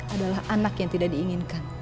adalah anak yang tidak diinginkan